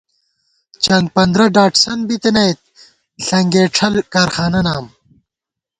چنگپندرہ ڈاٹسن بِتَنئیت ݪنگېڄھل کارخانہ نام